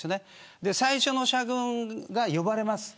最初の射群が呼ばれます。